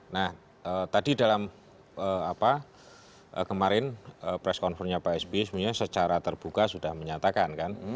nah tadi dalam apa kemarin press conference nya pak sby sebenarnya secara terbuka sudah menyatakan kan